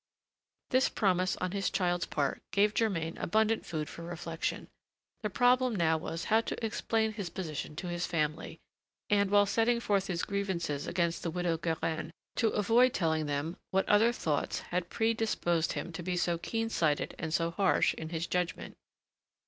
This promise on his child's part gave Germain abundant food for reflection. The problem now was how to explain his position to his family, and while setting forth his grievances against the widow Guérin, to avoid telling them what other thoughts had predisposed him to be so keen sighted and so harsh in his judgment.